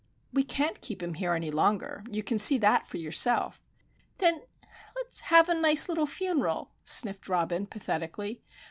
"We can't keep him here any longer. You can see that for yourself." "Then let's have a nice little funeral," sniffed Robin, pathetically.